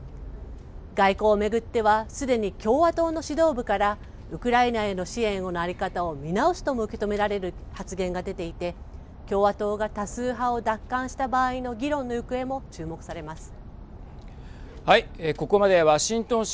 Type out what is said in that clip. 外交を巡ってはすでに共和党の指導部からウクライナへの支援の在り方を見直すとも受け止められる発言が出ていて共和党が多数派を奪還した場合の議論の行方も注目されます。